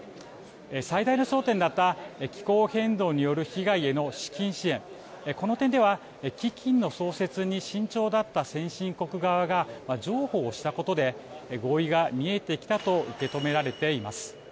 最大の争点だった気候変動による被害への資金支援、この点では、基金の創設に慎重だった先進国側が譲歩をしたことで、合意が見えてきたと受け止められています。